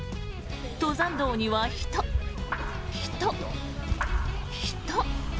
登山道には人、人、人。